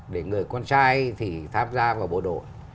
để người con trai thì tham gia vào bộ đội